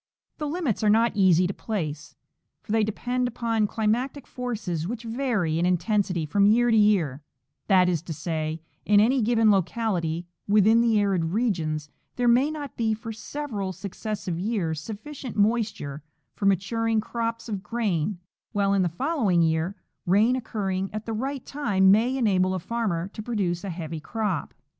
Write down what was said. The limits are not easy to place, for they depend upon climatic forces which vary in intensity from year to year — that is to say, in aay given locality within the arid regions there may not be for several successive years sufficient moisture for maturing crops of grain, while in the following year rain occurring at the right time may enable a farmer to produce a heavy crop.